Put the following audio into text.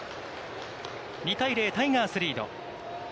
２対０、タイガースリード。